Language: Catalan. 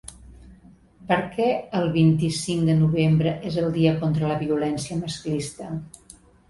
Per què el vint-i-cinc de novembre és el dia contra la violència masclista?